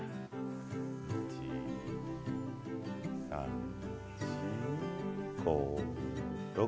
１、２、３、４、５、６。